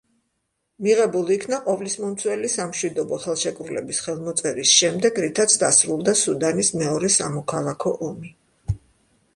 მიღებულ იქნა ყოვლისმომცველი სამშვიდობო ხელშეკრულების ხელმოწერის შემდეგ, რითაც დასრულდა სუდანის მეორე სამოქალაქო ომი.